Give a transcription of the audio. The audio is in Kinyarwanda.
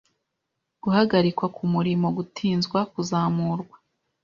guhagarikwa ku murimo gutinzwa kuzamurwa